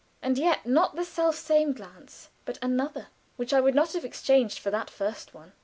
And yet not the self same glance, but another, which I would not have exchanged for that first one.